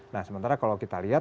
nah sementara kalau kita lihat